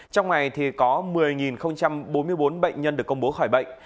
trong ngày thì có một mươi bốn mươi bốn bệnh nhân được công bố khỏi bệnh